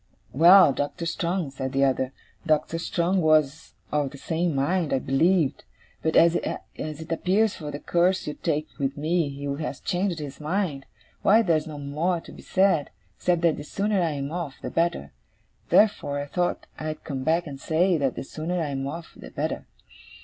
'Well, Doctor Strong,' said the other 'Doctor Strong was of the same mind, I believed. But as it appears from the course you take with me he has changed his mind, why there's no more to be said, except that the sooner I am off, the better. Therefore, I thought I'd come back and say, that the sooner I am off the better.